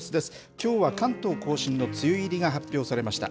きょうは関東甲信の梅雨入りが発表されました。